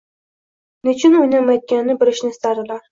nechun o'ynamayotganini bilishni istardilar.